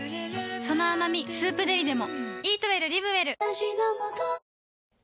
その甘み「スープデリ」でも